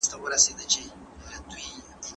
رغنده انتقاد د اصلاح لامل دی